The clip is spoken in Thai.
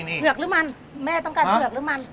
นี่แม่ต้องการเหลือหรือมัน